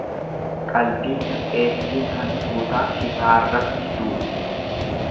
Qalbii hir'eettiin hantuutaa shifaarratti duuti.